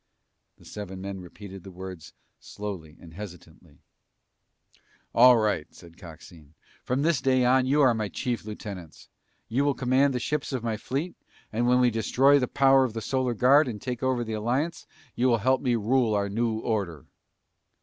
The seven men repeated the words slowly and hesitantly. "All right," said Coxine. "From this day on, you are my chief lieutenants. You will command the ships of my fleet, and when we destroy the power of the Solar Guard and take over the Alliance, you will help me rule our new order."